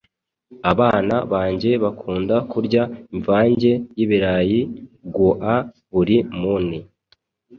Abana banjye bakunda kurya imvanjye yibirayi gua buri muni